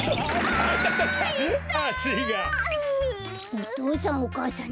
お父さんお母さん